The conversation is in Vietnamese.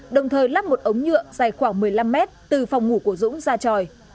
đồng thời lắp một ống nhựa dài khoảng một mươi năm mét từ phòng ngủ của dũng ra tròi